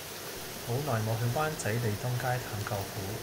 好耐無去灣仔利東街探舅父